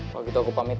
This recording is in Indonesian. kalau gitu aku pamit ya